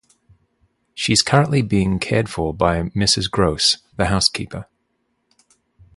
She is currently being cared for by Mrs. Grose, the housekeeper.